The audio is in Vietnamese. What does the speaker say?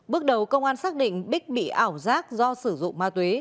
bước đầu công an xác định bích bị ảo giác do sử dụng ma túy